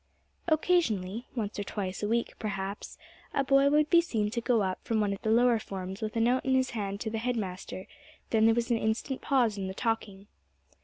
Occasionally, once or twice a week perhaps, a boy would be seen to go up from one of the lower forms with a note in his hand to the head master; then there was an instant pause in the talking.